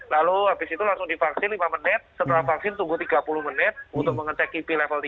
lalu habis itu langsung divaksin lima menit setelah vaksin tunggu tiga puluh menit untuk mengecek kipi level tiga